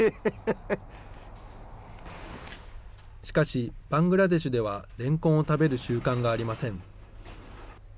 しかし、バングラデシュではれんこんを食べる習慣がありません。